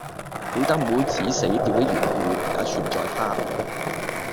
曉得妹子死掉的緣故，也全在他。